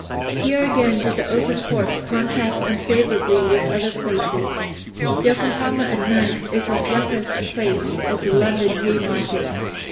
Here again do the open ports contrast unfavourably with other places: Yokohama at night is as leprous a place as the London Haymarket.